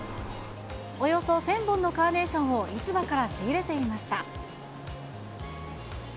およそ１０００本のカーネーションを市場から仕入れていました。